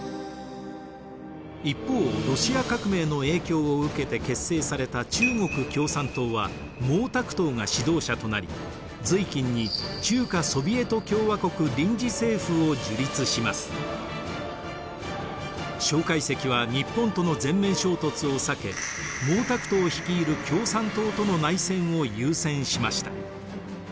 一方ロシア革命の影響を受けて結成された中国共産党は毛沢東が指導者となり瑞金に蒋介石は日本との全面衝突を避け毛沢東率いる共産党との内戦を優先しました。